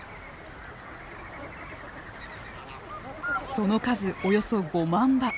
その数およそ５万羽。